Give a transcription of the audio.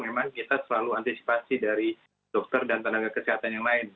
memang kita selalu antisipasi dari dokter dan tenaga kesehatan yang lain